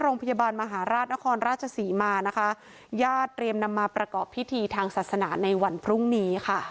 โรงพยาบาลมหาราชนครราชศรีมานะคะญาติเตรียมนำมาประกอบพิธีทางศาสนาในวันพรุ่งนี้ค่ะ